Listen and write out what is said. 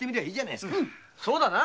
そうだな。